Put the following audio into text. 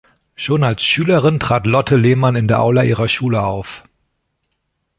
Schon als Schülerin trat Lotte Lehmann in der Aula ihrer Schule auf.